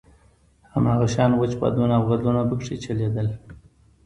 هماغه شان وچ بادونه او ګردونه په کې چلېدل.